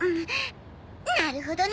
なるほどね！